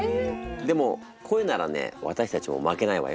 でも声ならね私たちも負けないわよ。